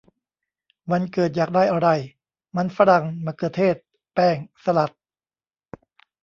วันเกิดอยากได้อะไร ? : มันฝรั่ง มะเขือเทศ แป้ง สลัด !